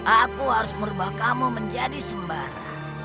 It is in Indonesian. aku harus merubah kamu menjadi sembara